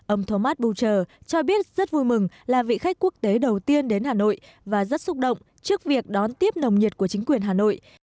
ông thomas boucher cho biết rất vui mừng là vị khách quốc tế đầu tiên đến hà nội và rất xúc động trước việc đón tiếp nồng nhiệt của chính quyền hà nội